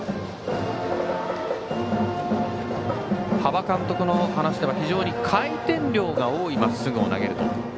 端場監督の話では非常に回転量が多いまっすぐを投げるという。